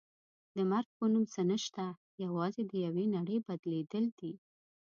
د مرګ په نوم څه نشته یوازې د یوې نړۍ بدلېدل دي.